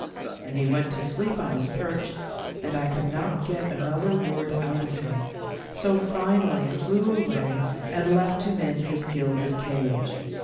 Then he went to sleep on his perch and I could not get another word out of him, so finally flew away and left him in his gilded cage.